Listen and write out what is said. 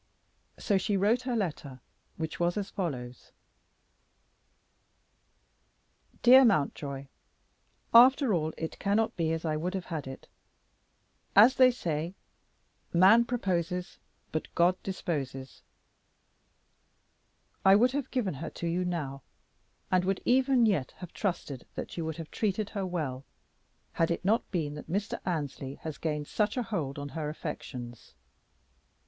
So she wrote her letter, which was as follows: "Dear Mountjoy, After all it cannot be as I would have had it. As they say, 'Man proposes, but God disposes.' I would have given her to you now, and would even yet have trusted that you would have treated her well, had it not been that Mr. Annesley has gained such a hold upon her affections.